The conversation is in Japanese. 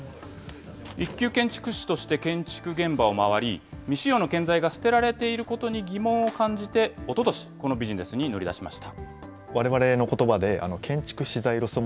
１級建築士として建築現場を回り、未使用の建材が捨てられていることに疑問を感じて、おととし、このビジネスに乗り出しました。